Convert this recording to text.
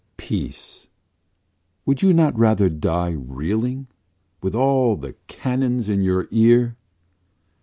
Peace! Would you not rather die Reeling, with all the cannons at your ear?